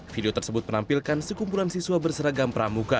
video tersebut menampilkan sekumpulan siswa berseragam pramuka